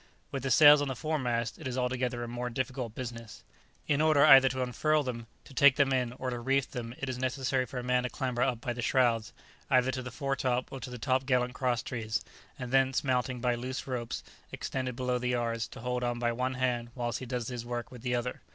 With the sails on the fore mast it is altogether a more difficult business. In order either to unfurl them, to take them in, or to reef them, it is necessary for a man to clamber up by the shrouds, either to the fore top, or to the top gallant cross trees, and thence mounting by loose ropes, extended below the yards, to hold on by one hand whilst he does his work with the other.